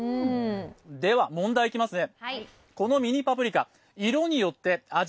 では問題、いきますね。